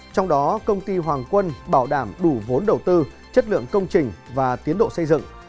trong đó công ty hoàng quân bảo đảm đủ vốn đầu tư chất lượng công trình và tiến độ xây dựng